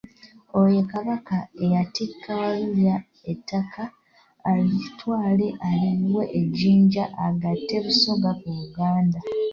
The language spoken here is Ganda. Oyo ye Kabaka eyatikka Walulya ettaka alitwale aliyiwe e Jjinja agatte Busoga ku Buganda.